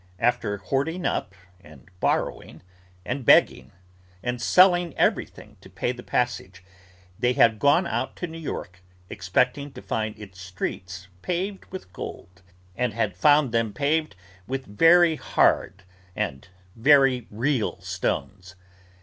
After hoarding up, and borrowing, and begging, and selling everything to pay the passage, they had gone out to New York, expecting to find its streets paved with gold; and had found them paved with very hard and very real stones.